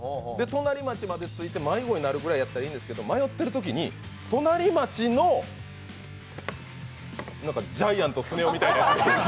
隣町までついて迷子になるくらいやったらいいんですけど迷っているときに、隣町のジャイアンとスネ夫みたいなやつに。